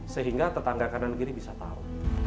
sehingga tetangga kanan kiri bisa tahu